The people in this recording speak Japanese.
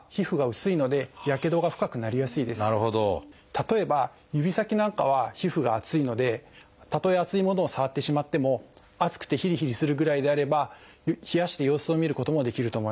例えば指先なんかは皮膚が厚いのでたとえ熱いものを触ってしまっても熱くてヒリヒリするぐらいであれば冷やして様子を見ることもできると思います。